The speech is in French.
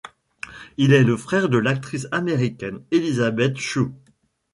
Il est le frère de l'actrice américaine Elisabeth Shue.